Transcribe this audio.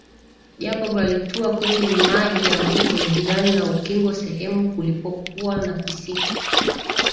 Jacob alitua kwenye maji ya mto jirani na ukingo sehemu kulipokuwa na kisiki